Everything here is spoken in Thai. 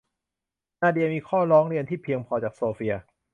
นาเดียมีข้อร้องเรียนที่เพียงพอจากโซเฟีย